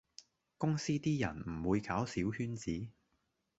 公司啲人唔會搞小圈子